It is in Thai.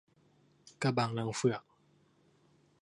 กะบังรังเฝือก